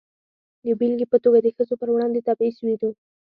د بېلګې په توګه د ښځو پر وړاندې تبعیض وینو.